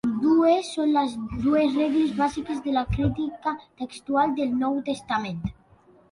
Ambdues són les dues regles bàsiques de la crítica textual del Nou Testament.